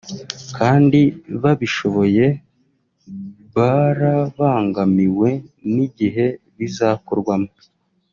kandi babishoboye barabangamiwe n’igihe bizakorwamo